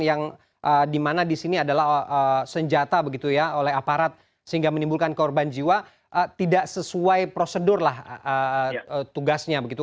yang dimana di sini adalah senjata begitu ya oleh aparat sehingga menimbulkan korban jiwa tidak sesuai prosedur lah tugasnya begitu